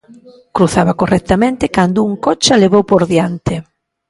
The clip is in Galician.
Cruzaba correctamente cando un coche a levou por diante.